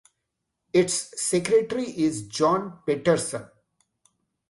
Its secretary is John Peterson.